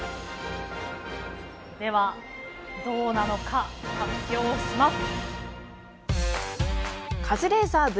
ではどうなのか発表します。